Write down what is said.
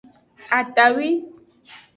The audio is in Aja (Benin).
Atawi.